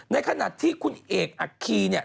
ในขณะที่คุณเอกอัคคีเนี่ย